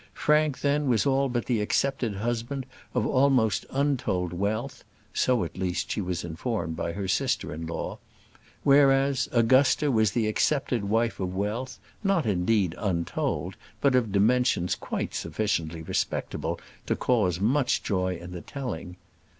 Frank then was all but the accepted husband of almost untold wealth so, at least, she was informed by her sister in law whereas, Augusta, was the accepted wife of wealth, not indeed untold, but of dimensions quite sufficiently respectable to cause much joy in the telling.